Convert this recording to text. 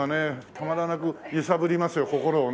たまらなく揺さぶりますよ心をね。